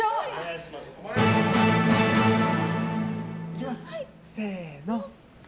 いきます、せーの。